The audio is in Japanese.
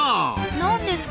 何ですか？